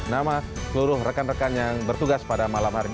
nama seluruh rekan rekan yang bertugas pada malam hari ini